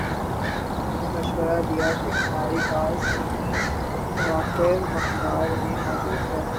میں نے مشورہ دیا کہ ہماری پاس چینی وافر مقدار میں موجود ہے